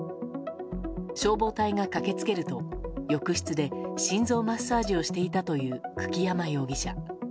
消防隊が駆け付けると浴室で心臓マッサージをしていたという久木山容疑者。